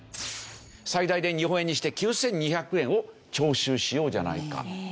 最大で日本円にして９２００円を徴収しようじゃないか。